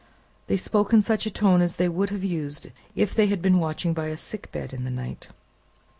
They spoke in such a tone as they would have used if they had been watching by a sick bed in the night.